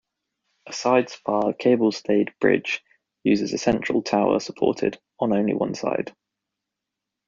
A side-spar cable-stayed bridge uses a central tower supported on only one side.